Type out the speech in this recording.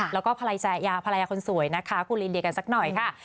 แล้วก็ภรรยาคนสวยนะคะคุณลินเดียกันสักหน่อยค่ะ